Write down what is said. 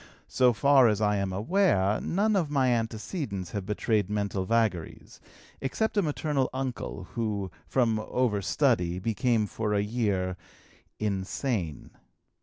So far as I am aware, none of my antecedents have betrayed mental vagaries, except a maternal uncle, who, from overstudy, became for a year insane.